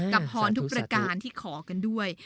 พรทุกประการที่ขอกันด้วย